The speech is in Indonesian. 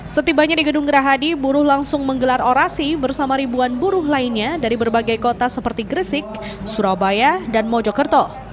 setibanya di gedung gerahadi buruh langsung menggelar orasi bersama ribuan buruh lainnya dari berbagai kota seperti gresik surabaya dan mojokerto